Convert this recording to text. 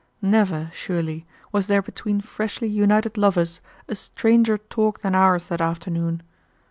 Never, surely, was there between freshly united lovers a stranger talk than ours that afternoon.